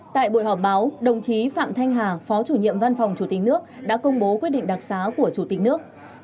tại buổi họp báo đồng chí phạm thanh hà phó chủ nhiệm văn phòng chủ tịch nước đã công bố quyết định đặc xá của chủ tịch nước